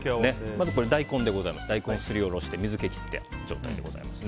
まず、大根をすりおろして水気を切った状態です。